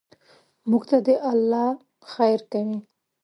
موږ ته دې الله خیر کوي.